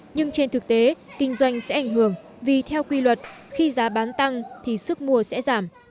nhưng trên thực tế kinh doanh sẽ ảnh hưởng vì theo quy luật khi giá bán tăng thì sức mua sẽ giảm